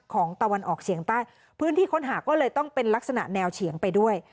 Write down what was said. ตะวันออกเฉียงใต้พื้นที่ค้นหาก็เลยต้องเป็นลักษณะแนวเฉียงไปด้วย